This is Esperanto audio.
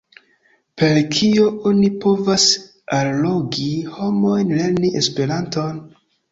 Per kio oni povas allogi homojn lerni Esperanton?